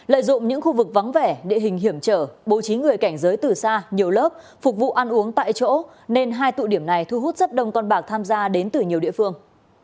lợi dụng những khu vực vắng vẻ địa hình hiểm trở bố trí người cảnh giới từ xa nhiều lớp phục vụ ăn uống tại chỗ nên hai tụ điểm này thu hút rất đông con bạc tham gia đến từ nhiều địa phương